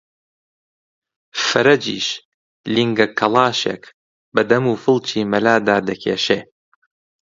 فەرەجیش لینگە کەڵاشێک بە دەم و فڵچی مەلادا دەکێشێ